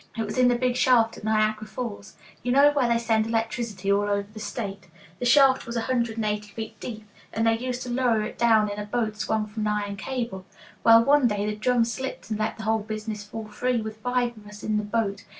"It was in the big shaft at Niagara Falls. You know where they send electricity all over the State. The shaft was a hundred and eighty feet deep, and they used to lower us down in a boat swung from an iron cable. Well, one day the drum slipped and let the whole business fall free with five of us in the boat.